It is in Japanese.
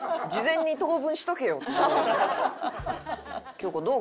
京子どう？